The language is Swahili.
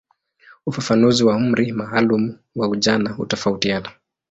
Ufafanuzi wa umri maalumu wa ujana hutofautiana.